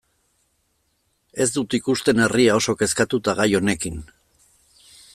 Ez dut ikusten herria oso kezkatuta gai honekin.